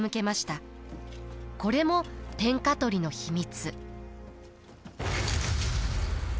これも天下取りの秘密。